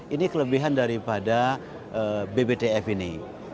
ini kelebihan daripada bbtf ini